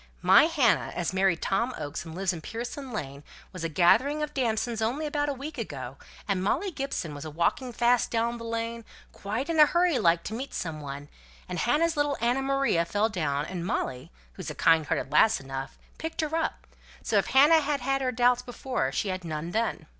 "My Hannah, as married Tom Oakes, and lives in Pearson's Lane, was a gathering of damsons only a week ago, and Molly Gibson was a walking fast down the lane, quite in a hurry like to meet some one, and Hannah's little Anna Maria fell down, and Molly (who's a kind hearted lass enough) picked her up; so if Hannah had had her doubts before, she had none then."